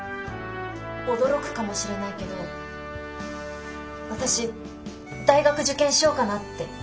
驚くかもしれないけど私大学受験しようかなって。